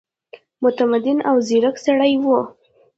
متمدن او ځیرک سړی وو.